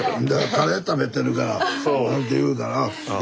「カレー食べてるから」なんて言うから。